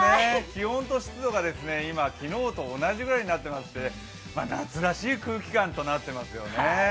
気温と湿度が今、昨日と同じぐらいになってまして夏らしい空気感となっていますよね。